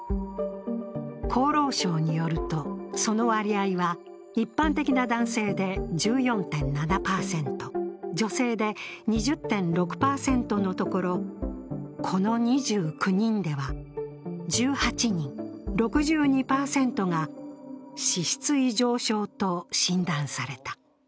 厚労省によると、その割合は一般的な男性で１４．７％、女性では２０．６％のところ、この２９人では、１８人、６２％が脂質異常症と診断された。